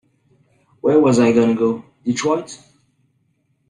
Where was I gonna go, Detroit?